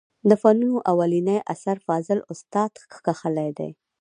د فنونو اولنى اثر فاضل استاد کښلى دئ.